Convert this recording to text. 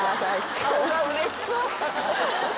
顔がうれしそう。